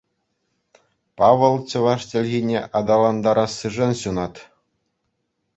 Павӑл чӑваш чӗлхине аталантарассишӗн ҫунать.